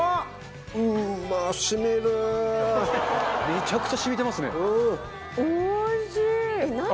めちゃくちゃ染みてますね。